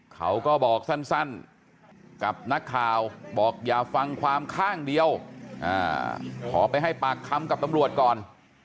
เขาก็บอกสั้นกับนักข่าวบอกอย่าฟังความข้างเดียวขอไปให้ปากคำกับตำรวจก่อน